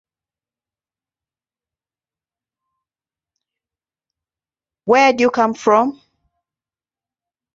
Furthermore, Bomberg, a Christian, had requested an "imprimatur" from the Pope.